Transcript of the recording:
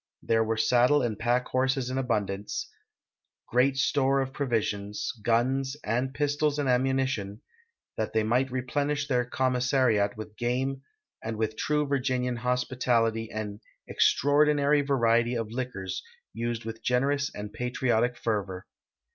There were saddle and pack horses in abundance, great store of ])rovisions, guns and pistols and ammunition, that they might replenish their commissariat with game, and with true Virginian hospi tality an " extraordinary variety of liquors," used with generous and patriotic fervor.